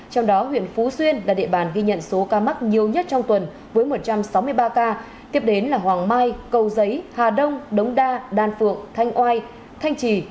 trong đó huyện phú xuyên là địa bàn ghi nhận số ca mắc nhiều nhất trong tuần với một trăm sáu mươi ba ca tiếp đến là hoàng mai cầu giấy hà đông đống đa đan phượng thanh oai thanh trì